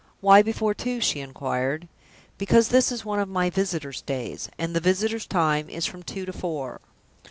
"Why before two?" she inquired. "Because this is one of my 'Visitors' Days,' And the visitors' time is from two to four."